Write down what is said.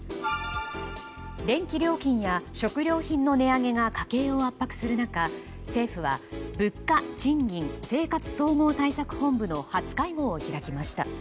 電気料金や食料品の値上げが家計を圧迫する中政府は物価・賃金・生活総合対策本部の初会合を開きました。